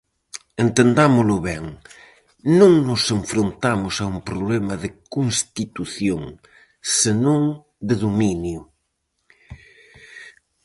Entendámolo ben: non nos enfrontamos a un problema de constitución, senón de dominio.